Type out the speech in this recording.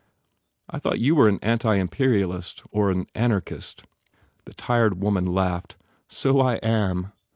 "I thought you were an anti imperialist and an anarchist?" The tired woman laughed, "So I am.